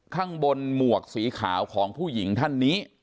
ข้างบนหมวกสีขาวของผู้หญิงท่านนี้